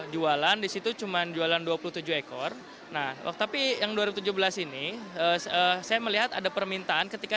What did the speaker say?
jualan di situ cuma jualan dua puluh tujuh ekor nah waktu tapi yang dua ribu tujuh belas ini saya melihat ada permintaan ketika